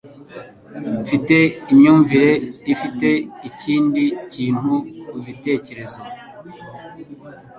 Mfite imyumvire ufite ikindi kintu mubitekerezo